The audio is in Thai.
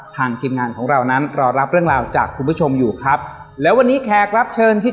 ทางทีมงานของเรานั้นรอรับเรื่องราวจากคุณผู้ชมอยู่ครับ